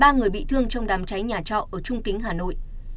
ba người bị thương trong đám cháy nhà trọ ở trung kính hà nội